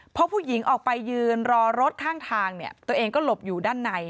พอผู้หญิงออกไปยืนรอรถข้างทางเนี่ยตัวเองก็หลบอยู่ด้านใน